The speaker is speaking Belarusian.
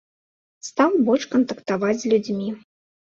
Стаў больш кантактаваць з людзьмі.